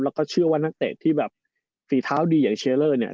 แล้วก็เชื่อว่านักเตะที่แบบฝีเท้าดีอย่างเชลเลอร์เนี่ย